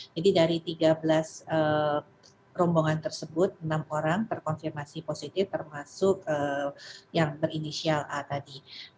jadi dari tiga belas rombongan tersebut enam orang terkonfirmasi positif termasuk yang berinisial a tadi